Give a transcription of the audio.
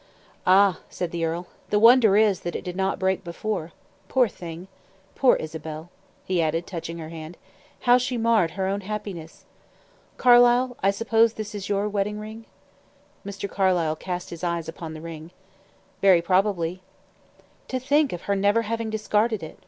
"Ah!" said the earl. "The wonder is that it did not break before. Poor thing! Poor Isabel!" he added, touching her hand, "how she marred her own happiness! Carlyle, I suppose this is your wedding ring?" Mr. Carlyle cast his eyes upon the ring. "Very probably." "To think of her never having discarded it!"